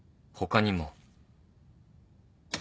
他にも。